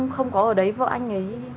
không có ở đấy vợ anh ấy